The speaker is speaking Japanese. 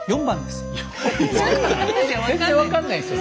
全然分かんないっすよ